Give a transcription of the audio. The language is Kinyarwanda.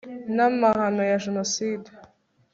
n'amahano ya jenoside